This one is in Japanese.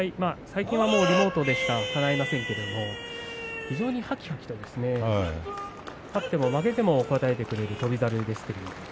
最近はリモートでしかかないませんけど非常に、はきはきと勝っても負けても答えてくれる翔猿ですけれども。